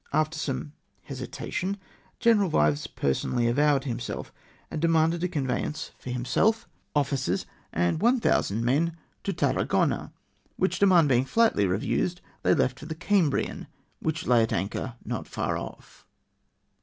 After some hesitation, General Vives personally avowed himself, and demanded a conveyance for himself, ATTACK SOME FRENCH VESSELS. 325 officers, and 1000 men to Tarragona ; wliich demand being flatly refused, they left for the Cambrian^ which lay at anchor not far off.